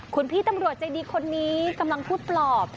คุณพี่ตำรวจใจดีคนนี้กำลังพูดปลอบ